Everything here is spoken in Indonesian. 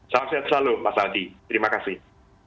salam sehat selalu mas adi terima kasih